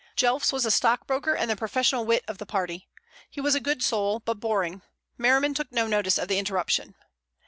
Jelfs was a stockbroker and the professional wit of the party. He was a good soul, but boring. Merriman took no notice of the interruption.